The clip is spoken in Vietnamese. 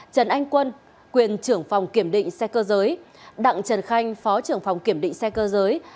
trần anh quân quyền trưởng phòng kiểm định xe cơ giới đặng trần khanh phó trưởng phòng kiểm định xe cơ giới